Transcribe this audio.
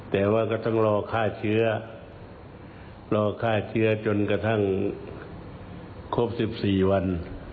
แต่ว่าก็ต้องรอฆ่าเชื้อรอฆ่าเชื้อจนกระทั่งครบ๑๔วัน